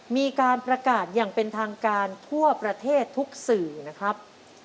มีการประกาศอย่างเป็นทางการทั่วประเทศทุกสื่อนะครับ